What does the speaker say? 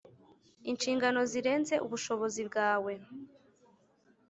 Inshingano Zirenze Ubushobozi Bwawe